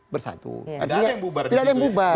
bersatu nggak ada yang bubar